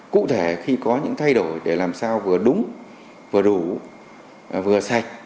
cụ thể khi có những thay đổi để làm sao vừa đúng vừa đủ vừa sạch